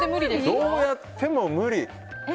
どうやっても無理。